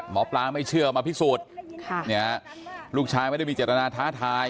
หมอปลาไม่เชื่อมาพิสูจน์ลูกชายไม่ได้มีเจตนาท้าทาย